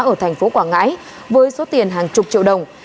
ở tp quảng ngãi với số tiền hàng chục triệu đồng